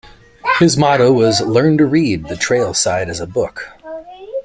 His motto was Learn to Read the Trail-side as a Book.